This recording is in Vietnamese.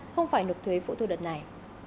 không phải nộp thuế phụ thu đợt này